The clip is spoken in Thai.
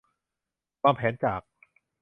วางแผนจาก